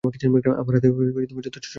আমার হাতে যথেষ্ট সময় নেই।